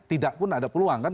tidak pun ada peluang kan